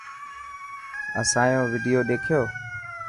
اسان يو وڊيو ڏيکو.